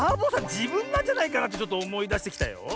じぶんなんじゃないかなってちょっとおもいだしてきたよ。